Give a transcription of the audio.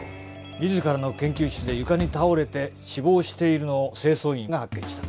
自らの研究室で床に倒れて死亡しているのを清掃員が発見した。